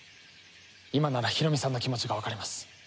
今ならヒロミさんの気持ちがわかります。